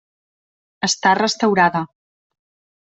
Està restaurada.